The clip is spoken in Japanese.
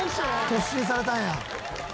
突進されたんや。